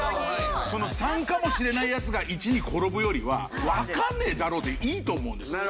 ３かもしれないやつが１に転ぶよりはわかんねえだろうでいいと思うんですよ。